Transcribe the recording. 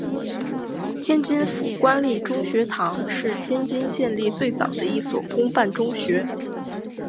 天津府官立中学堂是天津建立最早的一所官办中学。